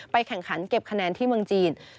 แข่งขันเก็บคะแนนที่เมืองจีน